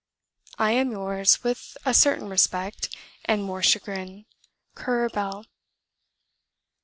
I am yours, with a certain respect, and more chagrin, CURRER BELL."